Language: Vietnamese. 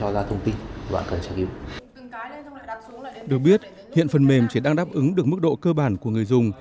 được biết hiện phần mềm chỉ đang đáp ứng được mức độ cơ bản của người dùng